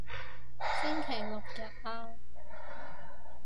星期六日啊